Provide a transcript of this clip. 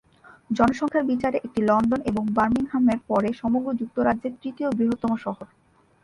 জনসংখ্যার বিচারে এটি লন্ডন এবং বার্মিংহামের পরে সমগ্র যুক্তরাজ্যের তৃতীয় বৃহত্তম শহর।